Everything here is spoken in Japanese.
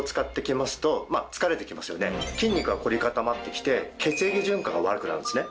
筋肉が凝り固まってきて血液循環が悪くなるんですね。